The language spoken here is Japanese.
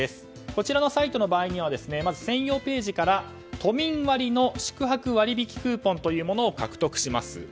こちらのサイトの場合はまず専用ページから都民割の宿泊割引クーポンを獲得します。